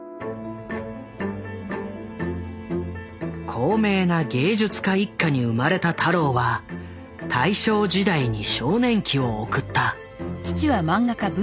高名な芸術家一家に生まれた太郎は大正時代に少年期を送った。